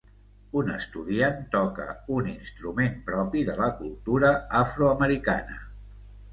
Un estudiant toca un instrument propi de la cultura afroamericana.